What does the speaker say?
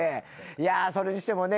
いやぁそれにしてもね